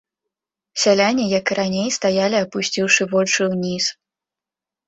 Сяляне, як і раней, стаялі, апусціўшы вочы ўніз.